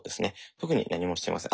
特に何もしてません。